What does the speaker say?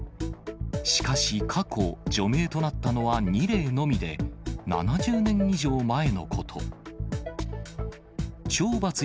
しかし、過去、除名となったのは２例のみで、７０年以上前のこと。